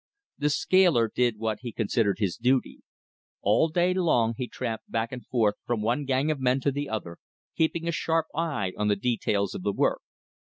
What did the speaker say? The scaler did what he considered his duty. All day long he tramped back and forth from one gang of men to the other, keeping a sharp eye on the details of the work.